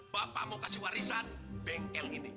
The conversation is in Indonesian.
bapak mau kasih warisan bengkel ini